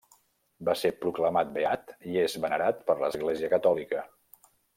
Va ser proclamat beat i és venerat per l'Església catòlica.